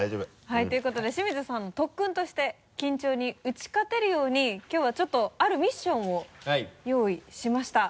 はいということで清水さん特訓として緊張に打ち勝てるようにきょうはちょっとあるミッションを用意しました。